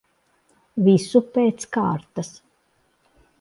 Visu pēc kārtas.